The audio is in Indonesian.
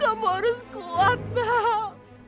kamu harus kuat mak